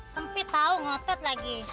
sempit tau ngotot lagi